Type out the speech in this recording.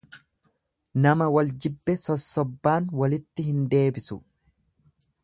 Nama wal jibbe sossobbaan walitti hin deebisu.